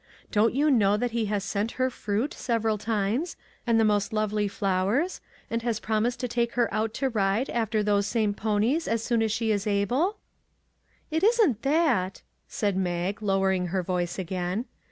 Don't you know that he has sent her fruit several times, and the most lovely flowers; and has promised to take her out to ride after those same ponies as soon as she is able ?"" It isn't that," said Mag, lowering her voice again.